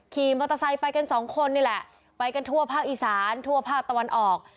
ขี่มอเตอร์ไซค์ไปกันสองคนนี่แหละไปกันทั่วภาคอีสานทั่วภาคตะวันออก